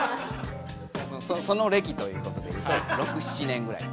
その歴ということで言うと６７年ぐらい。